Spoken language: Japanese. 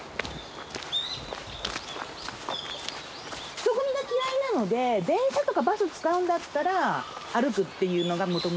人混みが嫌いなので電車とかバス使うんだったら歩くっていうのがもともとのあれですね。